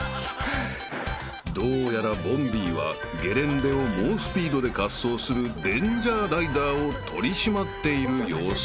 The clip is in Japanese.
［どうやらボンビーはゲレンデを猛スピードで滑走するデンジャーライダーを取り締まっている様子］